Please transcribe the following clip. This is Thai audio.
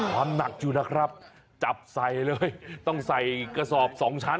ความหนักอยู่นะครับจับใส่เลยต้องใส่กระสอบสองชั้น